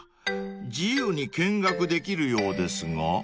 自由に見学できるようですが］